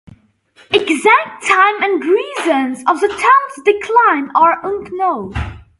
Exact time and reasons of the town's decline are unknown.